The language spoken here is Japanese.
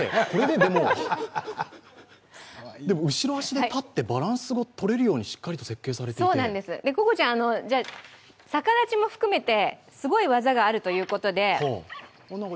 後ろ足で立ってバランスがとれるように設計されているココちゃん、さかだちも含めて、すごい技があるということで。